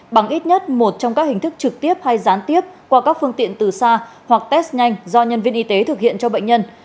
bằng ít nhất một trong các hình thức trực tiếp hay gián tiếp qua các phương tiện từ xa hoặc test nhanh do nhân viên y tế thực hiện cho bệnh nhân